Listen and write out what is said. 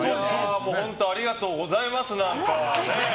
本当ありがとうございます何かね。